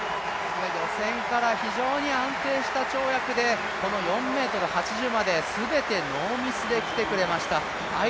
予選から非常に安定した跳躍でこの４ｍ８０までノーミスできてくれました。